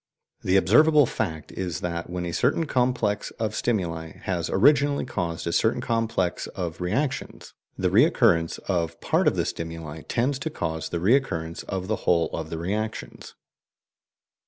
The observable fact is that, when a certain complex of stimuli has originally caused a certain complex of reactions, the recurrence of part of the stimuli tends to cause the recurrence of the whole of the reactions.